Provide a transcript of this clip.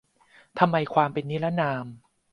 ทำไม ความเป็นนิรนาม